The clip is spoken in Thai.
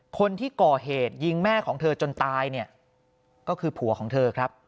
คนที่ก่อเหตุยิงแม่ของเธอจนตายก็คือผัวของเธอ